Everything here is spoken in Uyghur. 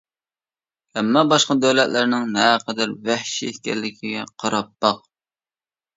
ئەمما، باشقا دۆلەتلەرنىڭ نەقەدەر ۋەھشىي ئىكەنلىكىگە قاراپ باق.